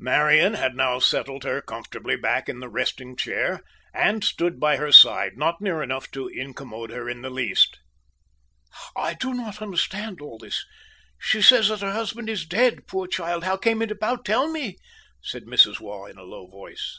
Marian had now settled her comfortably back in the resting chair, and stood by her side, not near enough to incommode her in the least. "I do not understand all this. She says that her husband is dead, poor child how came it about? Tell me!" said Mrs. Waugh, in a low voice.